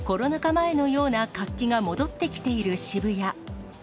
前のような活気が戻ってきている渋谷。